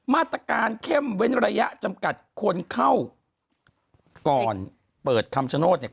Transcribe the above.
มาตรการเข้มเว้นระยะจำกัดคนเข้าก่อนเปิดคำชโนธเนี่ย